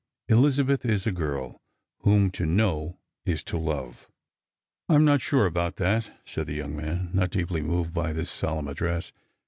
Elizabeth is a girl whom to know is to love." " I'm not sure about that," said the young man, not deeply moved by this solemn address.